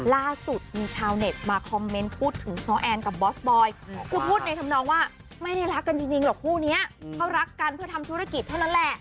ล่าสุดมีชาวเน็ตมาคอมเมนต์พูดถึงซ้อแอนกับบอสบอยคือพูดในธรรมนองว่าไม่ได้รักกันจริงหรอกคู่นี้เขารักกันเพื่อทำธุรกิจเท่านั้นแหละ